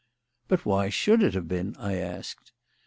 "But why should it have been?" I asked.